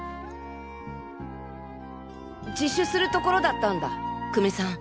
自首するところだったんだ久米さん